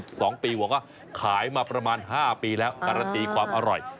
สองปีบอกว่าขายมาประมาณ๕ปีแล้วการันตีความอร่อย